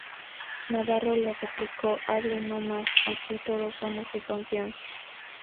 Navarro le replicó "Hable no más, aquí todos somos de confianza".